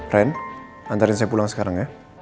ren antarin saya pulang sekarang ya